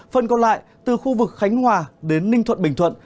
phần còn lại từ khu vực khánh hòa đến ninh thuận bình thuận